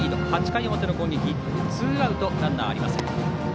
８回の表の攻撃ツーアウト、ランナーありません。